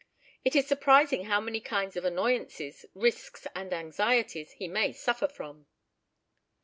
It is surprising how many kinds of annoyances, risks and anxieties, he may suffer from."